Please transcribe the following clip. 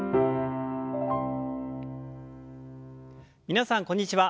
皆さんこんにちは。